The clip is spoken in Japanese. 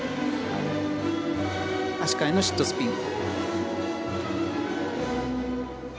足換えのシットスピン。